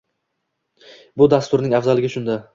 Bu dasturning afzalligi shunda.